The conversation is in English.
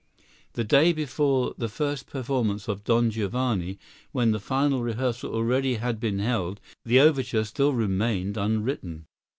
The day before the first performance of "Don Giovanni," when the final rehearsal already had been held, the overture still remained unwritten.